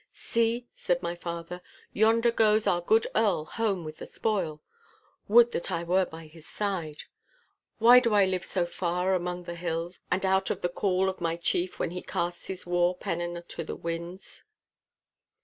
'See,' said my father, 'yonder goes our good Earl home with the spoil. Would that I were by his side! Why do I live so far among the hills, and out of the call of my chief when he casts his war pennon to the winds?